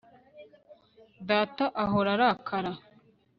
Data ahora arakara